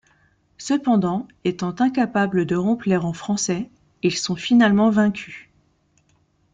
Cependant, étant incapables de rompre les rangs français, ils sont finalement vaincus.